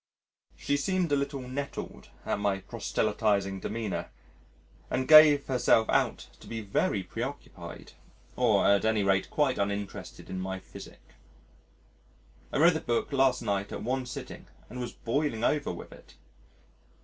She seemed a little nettled at my proselytising demeanour and gave herself out to be very preoccupied or at any rate quite uninterested in my physic. I read the book last night at one sitting and was boiling over with it.